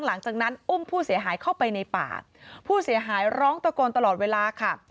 หลังจากนั้นอุ้มผู้เสียหายเข้าไปในป่าผู้เสียหายร้องตะโกนตลอดเวลาค่ะ